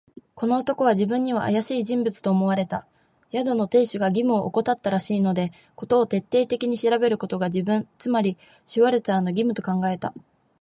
この男は自分にはあやしい人物と思われた。宿の亭主が義務をおこたったらしいので、事を徹底的に調べることが、自分、つまりシュワルツァーの義務と考えた。